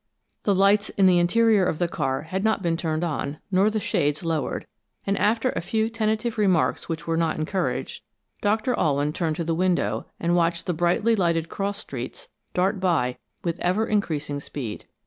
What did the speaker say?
The lights in the interior of the car had not been turned on, nor the shades lowered, and after a few tentative remarks which were not encouraged, Doctor Alwyn turned to the window and watched the brightly lighted cross streets dart by with ever increasing speed.